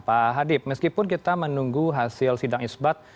pak hadib meskipun kita menunggu hasil sidang isbat